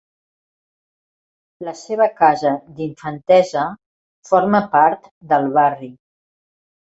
La seva casa d'infantesa forma part del barri.